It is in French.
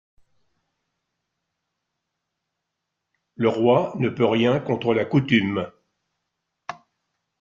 Le roi ne peut rien contre la coutume.